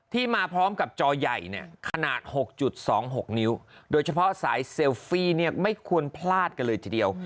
มาพร้อมกับจอใหญ่เนี่ยขนาด๖๒๖นิ้วโดยเฉพาะสายเซลฟี่เนี่ยไม่ควรพลาดกันเลยทีเดียว